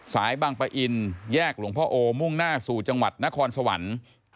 บางปะอินแยกหลวงพ่อโอมุ่งหน้าสู่จังหวัดนครสวรรค์